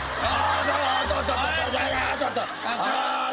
ああ。